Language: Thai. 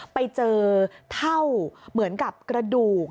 ไปเจอเท่าเหมือนกับกระดูก